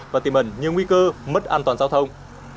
và tìm ẩn nhiều nguy cơ mất an toàn giao thông